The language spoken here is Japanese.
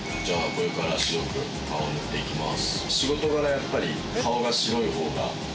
これから白く顔を塗っていきます